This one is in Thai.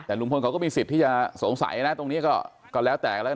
แต่ลุงพลเขาก็มีสิทธิ์ที่จะสงสัยนะตรงนี้ก็แล้วแต่แล้ว